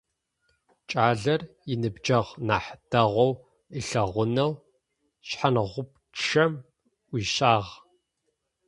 Кӏалэр, иныбджэгъу нахь дэгъоу ылъэгъунэу, шъхьангъупчъэм ӏуищагъ.